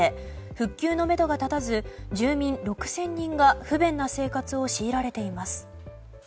復旧のめどが立たず住民６０００人が不便な生活を強いられています。